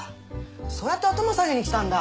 そうやって頭下げに来たんだ！